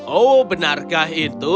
oh benarkah itu